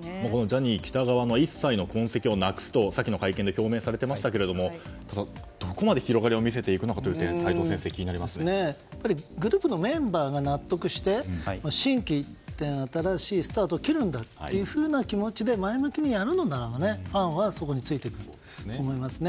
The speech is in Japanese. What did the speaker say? ジャニー喜多川の一切の痕跡をなくすと先の会見で表明されていましたがどこまで広がりを見せていくのかという点グループのメンバーが納得して心機一転新しいスタートを切るんだという気持ちで前向きにやるのならばファンはそこについていくと思いますね。